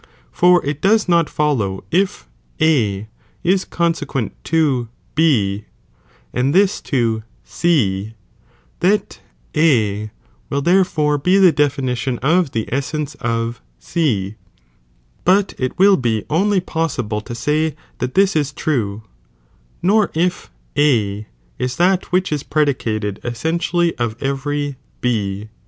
For it does not follow if A is eon '' sequent to B, and this to 0, that A will therefore be the definition of the essence of C, but it will be only possible to say that this is true, nor if A is that which is predicated essi'nnally of every B.